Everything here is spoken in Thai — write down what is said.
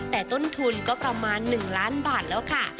แต่ต้นทุนก็ประมาณ๑ล้านบาทแล้วค่ะ